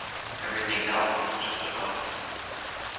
Everything else is just a bonus.